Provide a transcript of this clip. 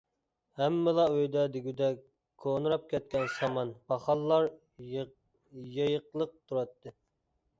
ھەممىلا ئۆيدە دېگۈدەك كونىراپ كەتكەن سامان، پاخاللار يېيىقلىق تۇراتتى.